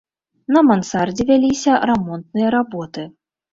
На мансардзе вяліся рамонтныя работы.